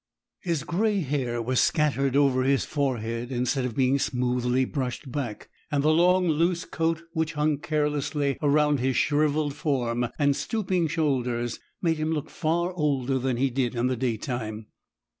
His grey hair was scattered over his forehead, instead of being smoothly brushed back; and the long, loose coat, which hung carelessly around his shrivelled form and stooping shoulders, made him look far older than he did in the day time.